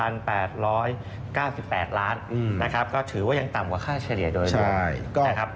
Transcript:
นะครับก็ถือว่ายังต่ำกว่าค่าเฉลี่ยโดยใช่นะครับ